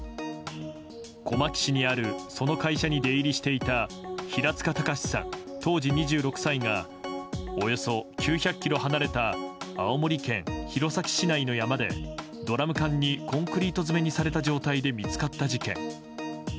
小牧市にあるその会社に出入りしていた平塚崇さん、当時２６歳がおよそ９００ｋｍ離れた青森県弘前市内の山でドラム缶にコンクリート詰めにされた状態で見つかった事件。